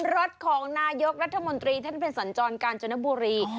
รถของนายกรัฐมนตรีท่านเป็นสัญจรกาญจนบุรี